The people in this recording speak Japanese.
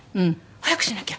早くしなきゃ！